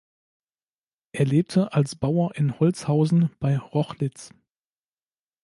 Er lebte als Bauer in Holzhausen bei Rochlitz.